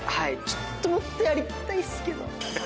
ちょっともっとやりたいっすけど。